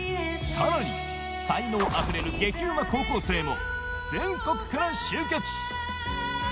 さらに才能あふれる激うま高校生も全国から集結